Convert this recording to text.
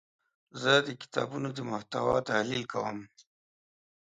زه د کتابونو د محتوا تحلیل کوم.